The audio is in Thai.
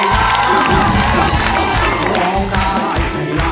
ร้องได้